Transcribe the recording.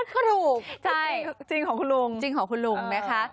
ก็ถูกใช่จริงของคุณลุงจริงของคุณลุงนะคะ